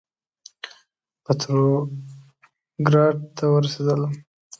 پتروګراډ ته ورسېدلم.